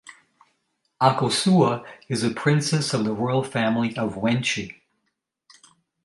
Akosua is a princess of the royal family of Wenchi.